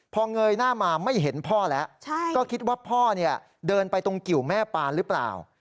พอเงยหน้ามาไม่เห็นพ่อแล้วก็คิดว่าพ่อเนี่ยเดินไปตรงกิวแม่ปานหรือเปล่า